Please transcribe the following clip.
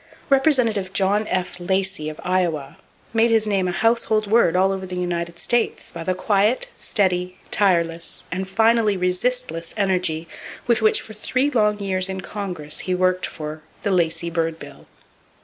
Representative John F. Lacey, of Iowa, made his name a household word all over the United States by the quiet, steady, tireless and finally resistless energy with which for three long years in Congress he worked for "the Lacey bird bill."